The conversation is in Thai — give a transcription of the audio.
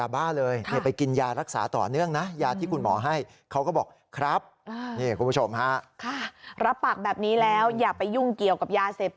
เม็ดหนึ่งครับครับ